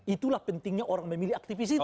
itulah pentingnya orang memilih aktivis itu